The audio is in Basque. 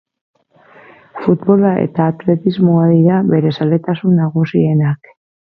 Futbola eta atletismoa dira bere zaletasun nagusienak.